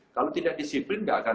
kalau tidak disiplin tidak akan